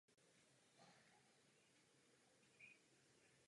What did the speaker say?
Byl synem venkovského kapelníka.